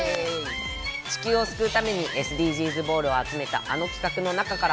地球をすくうためにＳＤＧｓボールをあつめたあのきかくの中から。